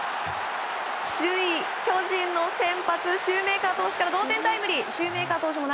首位、巨人の先発シューメーカー投手から同点タイムリー。